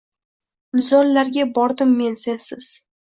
Gulzorlarga bordim men sensiz.